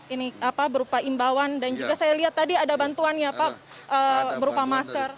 ini berupa imbauan dan juga saya lihat tadi ada bantuan ya pak berupa masker